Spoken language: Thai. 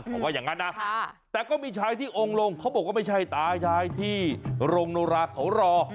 เขาว่าอย่างนั้นนะแต่ก็มีชายที่องค์ลงเขาบอกว่าไม่ใช่ตายายที่โรงโนราเขารอ